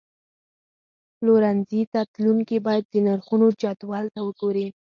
پلورنځي ته تلونکي باید د نرخونو جدول ته وګوري.